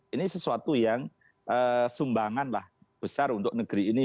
ini sesuatu yang sumbangan lah besar untuk negeri ini